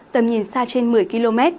tầm nhìn xa trên một mươi km